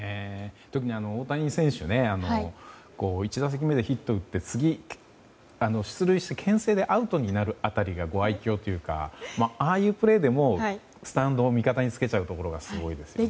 特に大谷選手１打席目でヒット打って次、出塁して牽制でアウトになる辺りがご愛嬌というかああいうプレーでもスタンドを味方につけちゃうところがすごいですね。